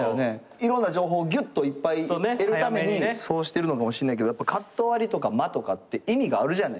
いろんな情報をぎゅっといっぱい得るためにそうしてるのかもしんないけどカット割りとか間とかって意味があるじゃないですか。